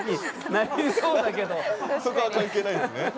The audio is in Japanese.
そこは関係ないんですね。